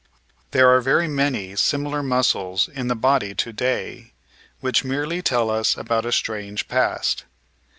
There are very many similar muscles in the body to day which merely tell us about a strange past.